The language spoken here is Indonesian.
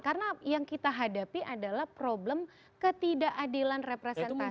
karena yang kita hadapi adalah problem ketidakadilan representasi